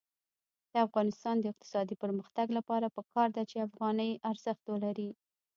د افغانستان د اقتصادي پرمختګ لپاره پکار ده چې افغانۍ ارزښت ولري.